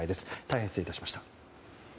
大変、失礼いたしました。